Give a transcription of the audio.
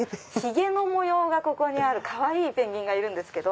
ヒゲの模様がここにあるかわいいペンギンがいるんです。